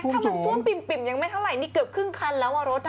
ถ้ามันซ่วมปิ่มยังไม่เท่าไหร่นี่เกือบครึ่งคันแล้วอ่ะรถ